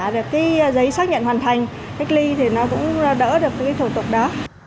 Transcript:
được cái giấy xác nhận hoàn thành cách ly thì nó cũng đỡ được cái thủ tục đó